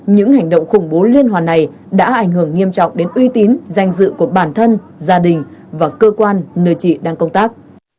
những hành động khủng bố liên hoàn này đã ảnh hưởng nghiêm trọng đến uy tín danh dự của bản thân gia đình và cơ quan nơi chị đang công tác